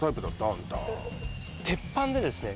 あんた鉄板でですね